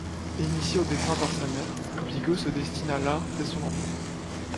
Initié au dessin par sa mère, Bigot se destine à l'art dès son enfance.